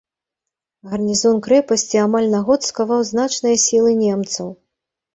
Гарнізон крэпасці амаль на год скаваў значныя сілы немцаў.